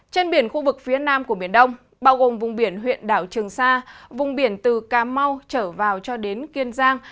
trên biển khu vực phía nam của biển đông bao gồm vùng biển huyện đảo trường sa vùng biển từ cà mau trở vào cho đến kiên giang